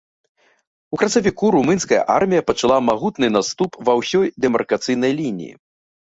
У красавіку румынская армія пачала магутны наступ ва ўсёй дэмаркацыйнай лініі.